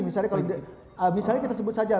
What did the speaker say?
misalnya kita sebut saja